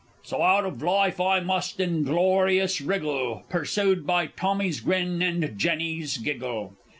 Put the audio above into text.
So out of life I must inglorious wriggle, Pursued by Tommy's grin, and Jenny's giggle!